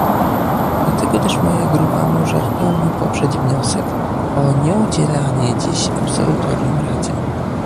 Dlatego też moja grupa może w pełni poprzeć wniosek o nieudzielanie dziś absolutorium Radzie